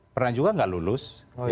pernah juga tidak lulus